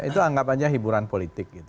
itu anggap aja hiburan politik gitu